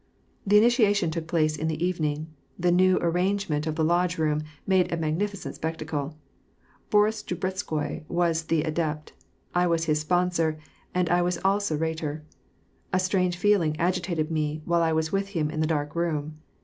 The initiation took place in the evening. The new arrangement of the Lodge room made a magnificent spectacle. Boris Drubetskoi was the adept. I was his sponsor, and I was also Rhetor. A strange feeling agitated me while 1 was with him in the dark room.